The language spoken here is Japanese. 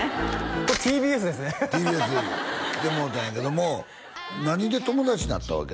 これＴＢＳですねＴＢＳに来てもろうたんやけども何で友達になったわけ？